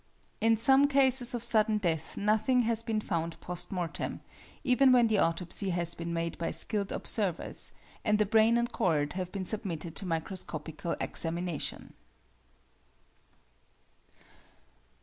In some cases of sudden death nothing has been found post mortem, even when the autopsy has been made by skilled observers, and the brain and cord have been submitted to microscopical examination.